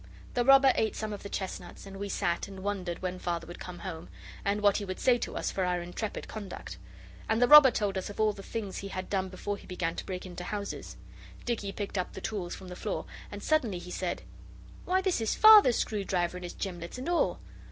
The robber ate some of the chestnuts and we sat and wondered when Father would come home, and what he would say to us for our intrepid conduct. And the robber told us of all the things he had done before he began to break into houses. Dicky picked up the tools from the floor, and suddenly he said 'Why, this is Father's screwdriver and his gimlets, and all!